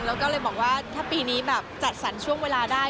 แล้วก็เลยบอกว่าถ้าปีนี้แบบจัดสรรช่วงเวลาได้